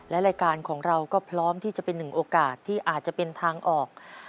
และรายการของเราก็พร้อมที่จะเป็นหนึ่งโอกาสที่อาจจะเป็นทางออก